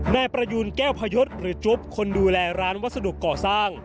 นายประยูนแก้วพยศหรือจุ๊บคนดูแลร้านวัสดุก่อสร้าง